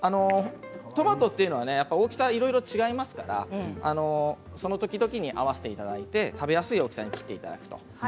トマトというのは大きさいろいろ違いますからその時々に合わせていただいて食べやすい大きさに切っていただくと。